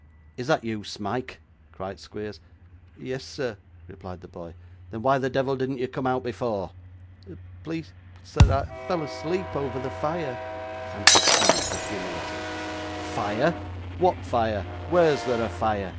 'Is that you, Smike?' cried Squeers. 'Yes, sir,' replied the boy. 'Then why the devil didn't you come before?' 'Please, sir, I fell asleep over the fire,' answered Smike, with humility. 'Fire! what fire? Where's there a fire?